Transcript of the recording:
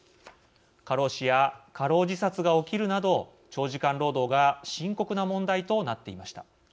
過労死や過労自殺が起きるなど長時間労働が深刻な問題となっていました。